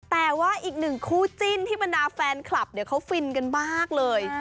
แต่ว่าอีกหนึ่งคู่จิ้นที่บรรดาแฟนคลับเนี่ยเขาฟินกันมากเลย